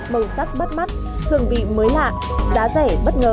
màu sắc bắt mắt hương vị mới lạ giá rẻ bất ngờ